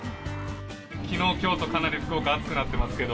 きのう、きょうとかなり福岡暑くなってますけど。